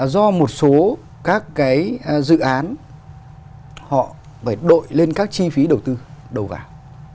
do một số các cái dự án họ phải đội lên các chi phí đầu tư đầu vào